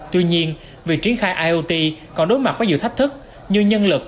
tuy nhiên việc triển khai iot còn đối mặt với nhiều thách thức như nhân lực